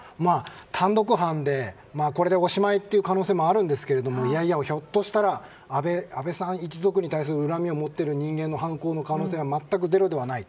単独犯でこれでおしまいという可能性もあるんですけれどもいやいや、ひょっとしたら安倍さん一族に対する恨みを持っている人間の犯行の可能性も全くゼロではない。